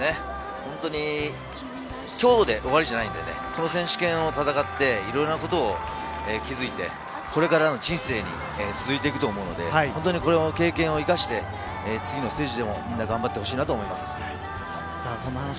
本当に今日で終わりじゃないので、この選手権を戦って、いろんなことに気づいて、これからの人生に続いていくと思うので、この経験を生かして次のステージでもみんな頑張ってほしいなと思います。